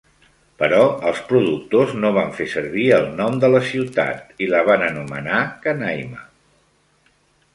Però els productors no van fer servir el nom de la ciutat i la van anomenar Canaima.